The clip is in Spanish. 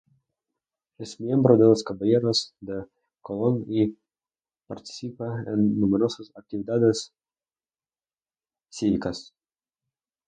Es miembro de los Caballeros de Colón y participa en numerosas actividades cívicas.